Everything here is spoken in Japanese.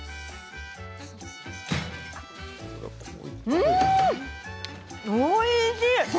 うーん、おいしい。